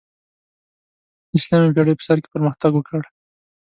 د شلمې پیړۍ په سر کې پرمختګ وکړ.